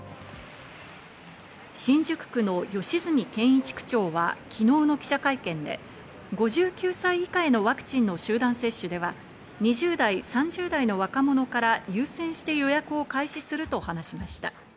新宿区の吉住健一区長は昨日の記者会見で、５９歳以下へのワクチンの集団接種では、２０代、３０代の若者から優先して予約を開始すると話しました。